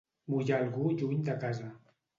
Mullar algú lluny de casa.